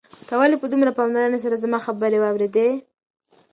تا ولې په دومره پاملرنې سره زما خبرې واورېدې؟